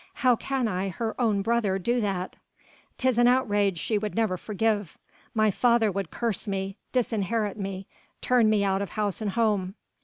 How can I, her own brother, do that? 'Tis an outrage she would never forgive: my father would curse me ... disinherit me ... turn me out of house and home...."